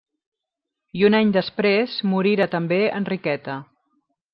I un any després morira també Enriqueta.